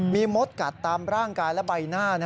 มีมดกัดตามร่างกายและใบหน้า